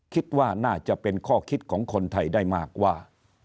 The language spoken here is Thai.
คิดว่าน่าจะเป็นข้อคิดของคนไทยได้มากว่า